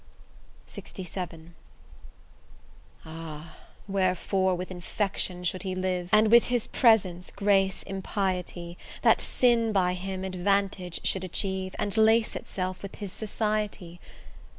LXVII Ah! wherefore with infection should he live, And with his presence grace impiety, That sin by him advantage should achieve, And lace itself with his society?